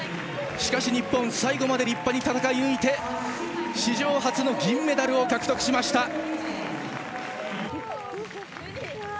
しかし、日本最後まで立派に戦い抜いて史上初の銀メダルを獲得しました。